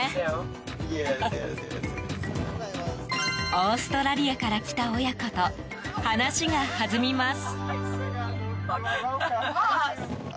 オーストラリアから来た親子と話が弾みます。